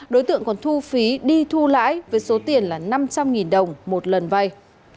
đối tượng còn thu phí đi thu lãi với số tiền là năm trăm linh đồng một lần vay